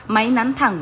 máy nắn thẳng